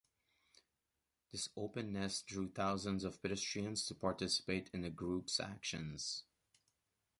This openness drew thousands of pedestrians to participate in the group's actions.